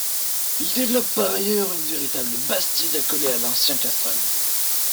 Il développe par ailleurs une véritable bastide accolée à l’ancien castrum.